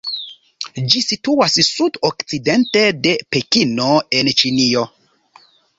Ĝi situas sud-okcidente de Pekino en Ĉinio.